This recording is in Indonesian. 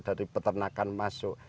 dari peternakan masuk